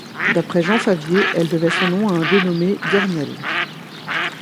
D'après Jean Favier, elle devait son nom à un dénommé Guernelles.